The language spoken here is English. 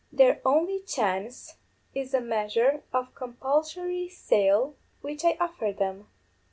Their only chance is a measure of compulsory sale, which I offer them.